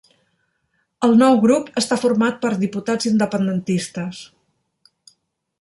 El nou grup està format per diputats independentistes